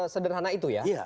sederhana itu ya